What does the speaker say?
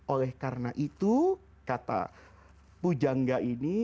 oleh karena itu kata pujangga ini